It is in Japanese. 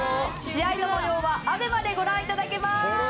試合の模様はＡＢＥＭＡでご覧いただけます。